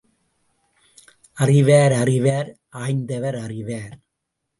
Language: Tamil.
அறிவார் அறிவார், ஆய்ந்தவர் அறிவார்.